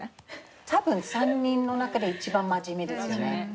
多分３人の中で一番真面目ですね。